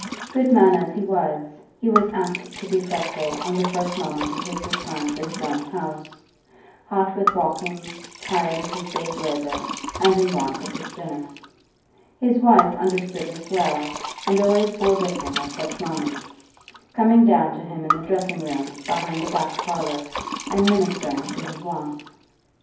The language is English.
Good man as he was, he was apt to be fretful on the first moment of his return to his own house, hot with walking, tired with his day's labour, and in want of his dinner. His wife understood this well, and always bore with him at such moments, coming down to him in the dressing room behind the back parlour, and ministering to his wants.